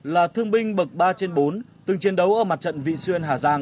là thương binh bậc ba trên bốn từng chiến đấu ở mặt trận vị xuyên hà giang